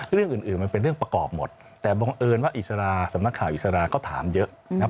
เรื่องอื่นมันเป็นเรื่องประกอบหมดแต่บังเอิญว่าอิสระสำนักข่าวอิสระก็ถามเยอะนะครับ